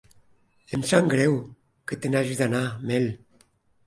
Em sap greu que te n'hagis d'anar, Mel.